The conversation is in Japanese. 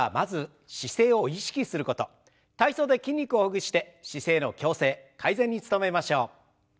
体操で筋肉をほぐして姿勢の矯正改善に努めましょう。